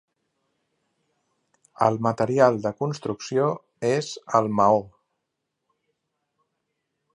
El material de construcció és el maó.